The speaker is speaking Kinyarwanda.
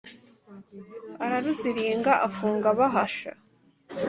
Araruziringa afunga bahasha,